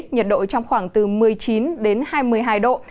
nhiệt độ trong khoảng một mươi chín hai mươi hai độ